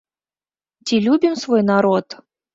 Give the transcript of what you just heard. Ці любім свой народ?